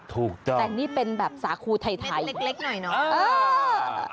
ถูกจ้าแต่นี่เป็นแบบสาครูไทยไทยเด็กหน่อยเออ